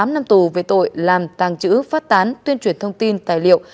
tám năm tù về tội làm tàng trữ phát tán tuyên truyền thông tin tài liệu